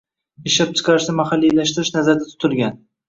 Ishlab chiqarishni mahalliylashtirish nazarda tutilgan